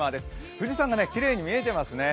富士山がきれいに見えていますね。